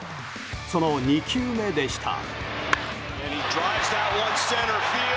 その２球目でした。